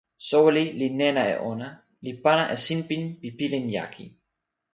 soweli li nena e ona, li pana e sinpin pi pilin jaki.